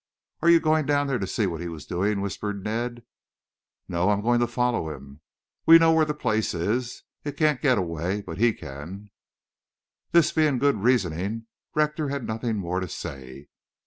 "Are you going down there to see what he has been doing?" whispered Ned. "No, I'm going to follow him. We know where that place is. It can't get away, but he can." This being good reasoning Rector had nothing more to say.